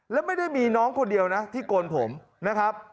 แล้วไม่ได้มีน้องคนเดียวนะที่โกนผมนะครับ